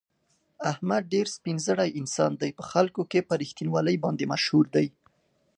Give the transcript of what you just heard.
احمد ډېر سپین زړی انسان دی، په خلکو کې په رښتینولي باندې مشهور دی.